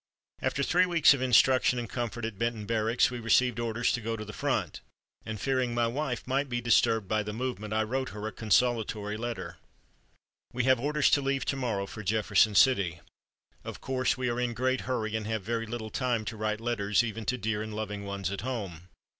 After three weeks of instruction and comfort at Benton Barracks we received orders to go to the front, and fearing my wife might be disturbed by the movement, I wrote her a consolatory letter: "We have orders to leave to morrow for Jefferson City. Of course we are in great hurry and have very little time to write letters, even to dear and loving ones at home.